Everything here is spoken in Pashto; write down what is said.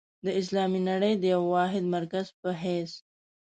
د اسلامي نړۍ د یوه واحد مرکز په حیث.